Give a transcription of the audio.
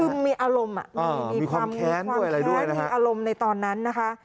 คือมีอารมณ์มีความคล้ายมีอารมณ์ในตอนนั้นนะคะ